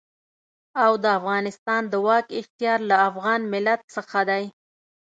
او د افغانستان د واک اختيار له افغان ملت څخه دی.